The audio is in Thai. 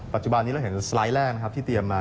ปัจจุบันนี้เราเห็นสไลด์แรกนะครับที่เตรียมมา